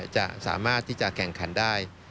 จะสามารถที่จะแข่งขันได้